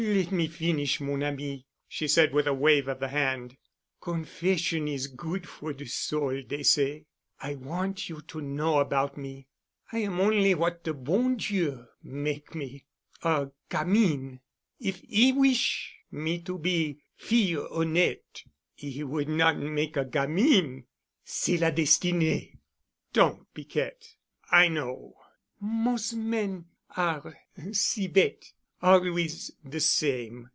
"Let me finish, mon ami," she said with a wave of the hand. "Confession is good for de soul, dey say. I want you to know about me. I am on'y what de bon Dieu make me—a gamine. If 'E wish' me to be fille honnête, 'E would not make a gamine. C'est la destinée." "Don't, Piquette. I know." "Mos' men are si bête—always de same.